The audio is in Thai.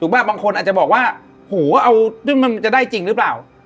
บางคนอาจจะบอกว่าโหเอาจนมันจะได้จริงหรือเปล่า